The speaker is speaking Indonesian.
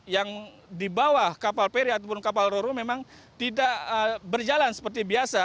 yang di bawah kapal peri ataupun kapal roro memang tidak berjalan seperti biasa